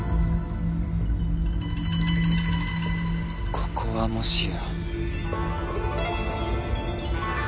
ここはもしや。